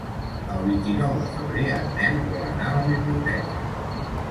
El vint-i-nou de febrer en Nel vol anar a la biblioteca.